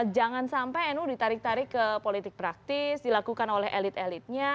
jangan sampai nu ditarik tarik ke politik praktis dilakukan oleh elit elitnya